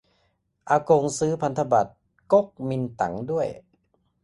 อากงซื้อพันธบัตรก๊กมินตั๋งด้วย